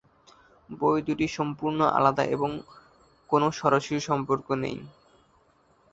বই দুটি সম্পূর্ণ আলাদা এবং কোন সরাসরি সম্পর্ক নেই।